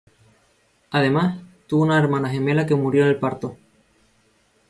Además, tuvo una hermana gemela que murió en el parto.